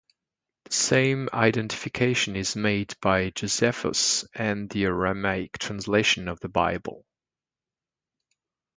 The same identification is made by Josephus and the Aramaic translations of the Bible.